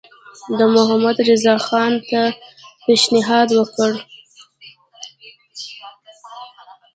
ده محمدرضاخان ته پېشنهاد وکړ.